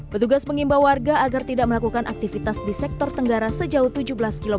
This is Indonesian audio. petugas mengimbau warga agar tidak melakukan aktivitas di sektor tenggara sejauh tujuh belas km